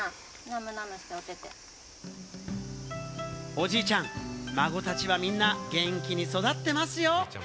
おじいちゃん、孫たちはみんな元気に育ってますよ。